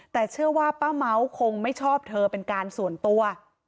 แต่เชื่อว่าป้าเม้าคงไม่ชอบเธอเป็นการส่วนตัว